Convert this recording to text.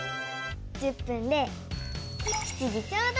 １０分で７時ちょうど！